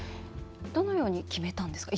どのように決めたんですか。